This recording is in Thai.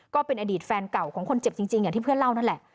ก็เป็นอดีตแฟนเก่าของคนเจ็บจริงอย่างที่เพื่อนเล่านั่นแหละ